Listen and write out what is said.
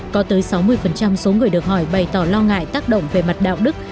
có tới sáu mươi số người được hỏi bày tỏ lo ngại tác động về mặt đạo đức